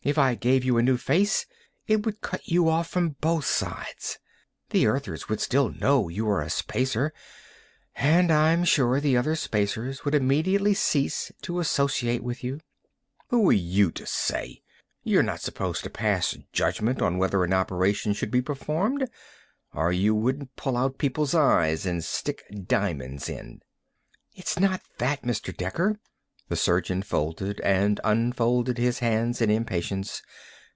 If I gave you a new face, it would cut you off from both sides. The Earthers would still know you were a Spacer, and I'm sure the other Spacers would immediately cease to associate with you." "Who are you to say? You're not supposed to pass judgment on whether an operation should be performed, or you wouldn't pull out people's eyes and stick diamonds in!" "It's not that, Mr. Dekker." The surgeon folded and unfolded his hands in impatience.